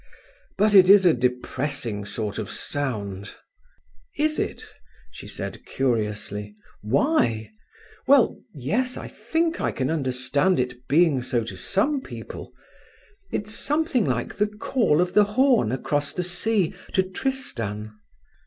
But it is a depressing sort of sound." "Is it?" she said curiously. "Why? Well—yes—I think I can understand its being so to some people. It's something like the call of the horn across the sea to Tristan."